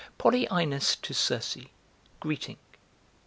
POLYAENOS TO CIRCE GREETING.